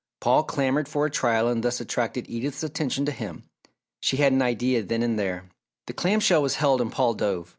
Paul clamoured for a trial and thus attracted Edith's attention to him. She had an idea then and there. The clam shell was held and Paul dove.